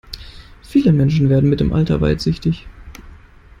Viele Menschen werden mit dem Alter weitsichtig.